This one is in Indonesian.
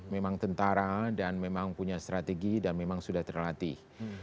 memang tentara dan memang punya strategi dan memang sudah terlatih